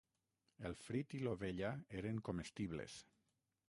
El frit i l'ovella eren comestibles.